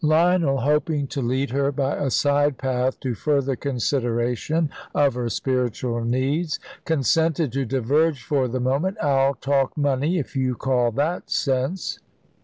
Lionel, hoping to lead her by a side path to further consideration of her spiritual needs, consented to diverge for the moment. "I'll talk money, if you call that sense."